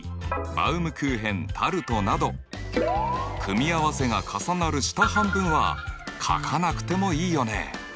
バウムクーヘン・タルトなど組み合わせが重なる下半分は書かなくてもいいよね。